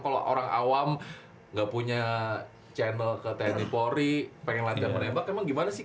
kalau orang awam nggak punya channel ke tni polri pengen latihan menembak emang gimana sih